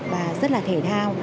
và rất là thể thao